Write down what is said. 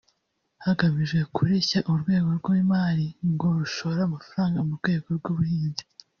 hagamijwe kureshya urwego rw’ imari ngo rushore amafaranga mu rwego rw’ ubuhinzi”